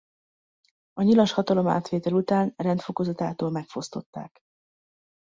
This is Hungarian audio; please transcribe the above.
A nyilas hatalomátvétel után rendfokozatától megfosztották.